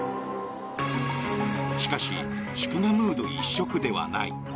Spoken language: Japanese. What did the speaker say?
しかし祝賀ムード一色ではない。